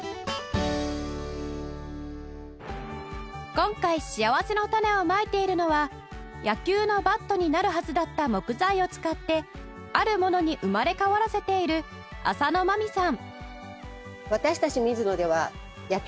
今回しあわせのたねをまいているのは野球のバットになるはずだった木材を使ってある物に生まれ変わらせている浅野麻美さん